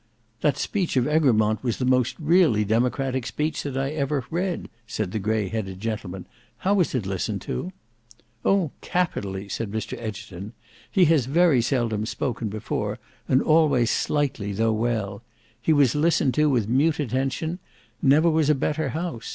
"That speech of Egremont was the most really democratic speech that I ever read," said the grey headed gentleman. "How was it listened to?" "Oh capitally," said Mr Egerton. "He has very seldom spoken before and always slightly though well. He was listened to with mute attention; never was a better house.